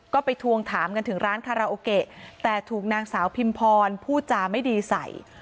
ก็ไปทวงถามกันถึงร้านคาราโอเกะแต่ถูกนางสาวพิมพรพูดจาไม่ดีใส่